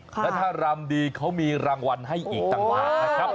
และถ้ารำดีเขามีรางวัลให้อีกตั้งวัน